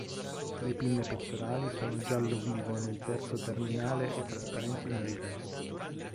Le pinne pettorali sono giallo vivo nel terzo terminale e trasparenti nel resto.